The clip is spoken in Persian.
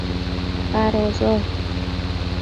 بَرازا